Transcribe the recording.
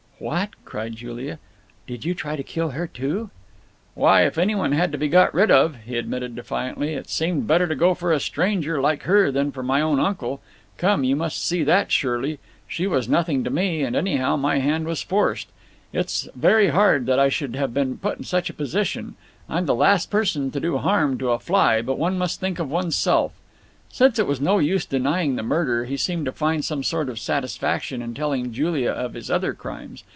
"What?" cried Julia, "did you try to kill her too?" "Why, if anyone had to be got rid of," he admitted defiantly, "it seemed better to go for a stranger, like her, than for my own uncle. Come, you must see that, surely! She was nothing to me, and, anyhow, my hand was forced. It's very hard that I should have been put in such a position. I'm the last person to do harm to a fly, but one must think of oneself." Since it was no use denying the murder, he seemed to find some sort of satisfaction in telling Julia of his other crimes.